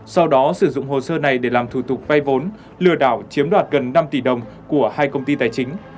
sau đó sử dụng hồ sơ này để làm thủ tục vay vốn lừa đảo chiếm đoạt gần năm tỷ đồng của hai công ty tài chính